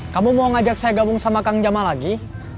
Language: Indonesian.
kamu mau ngajak saya gabung sama kang jamal lagi